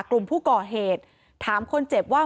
กลุ่มผู้ก่อเหตุถามคนเจ็บว่า